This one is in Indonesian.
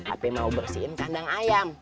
tapi mau bersihin kandang ayam